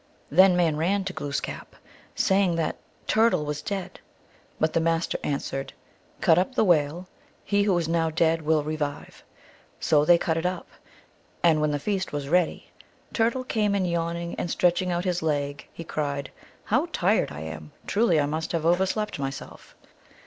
Then men ran to Glooskap, saying that Turtle was dead. But the Master answered, " Cut up the Whale ; he who is now dead will revive." So they cut it up ; (and when the feast was ready) Turtle came in yawn ing, and stretching out his leg he cried, " How tired I am ! Truly, I must have overslept myself."